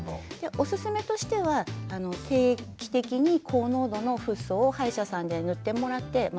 おすすめとしては定期的に高濃度のフッ素を歯医者さんで塗ってもらってまあ